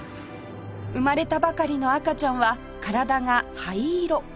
生まれたばかりの赤ちゃんは体が灰色